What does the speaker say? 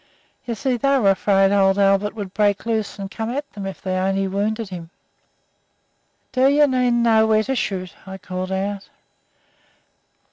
You see, they were afraid old Albert would break loose and come at 'em if they only wounded him. "'Do you men know where to shoot?' I called out.